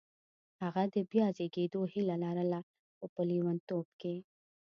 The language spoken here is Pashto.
هغه د بیا زېږېدو هیله لرله خو په لېونتوب کې